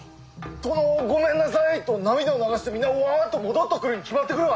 「殿ごめんなさい」と涙を流して皆わっと戻っとくるに決まっとるわい！